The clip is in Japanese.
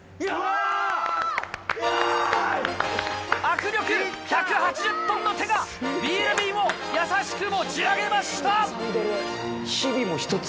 握力１８０ｔの手がビール瓶を優しく持ち上げました！